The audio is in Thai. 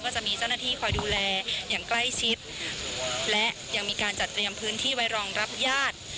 จะมีเจ้าหน้าที่คอยดูแลอย่างใกล้ชิดและยังมีการจัดเตรียมพื้นที่ไว้รองรับญาติ